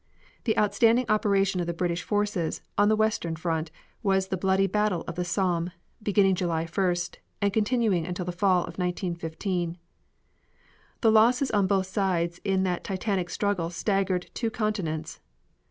The outstanding operation of the British forces on the western front was the bloody battle of the Somme, beginning July 1st, and continuing until the fall of 1915. The losses on both sides in that titanic struggle staggered two continents.